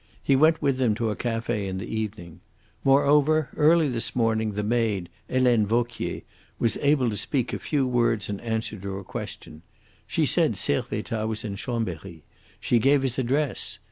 He went with them to a cafe in the evening. Moreover, early this morning the maid, Helene Vauquier, was able to speak a few words in answer to a question. She said Servettaz was in Chambery. She gave his address.